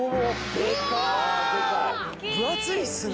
分厚いっすね。